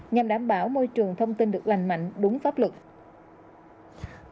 nhằm đảm bảo môi trường thông tin được lành mạnh đúng pháp luật